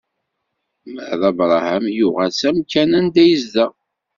Ma d Abṛaham yuɣal s amkan anda yezdeɣ.